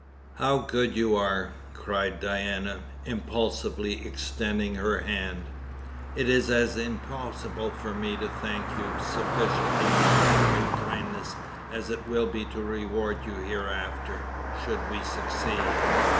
"How good you are!" cried Diana, impulsively extending her hand. "It is as impossible for me to thank you sufficiently now for your kindness as it will be to reward you hereafter, should we succeed."